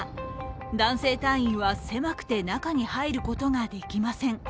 男性隊員は狭くて中に入ることができません。